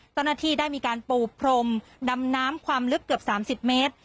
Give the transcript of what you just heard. เจ้าหน้าที่ได้มีการปูพรมดำน้ำความลึกเกือบ๓๐เมตร